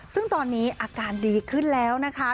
ซึ่งตอนนี้อาการดีขึ้นแล้วนะคะ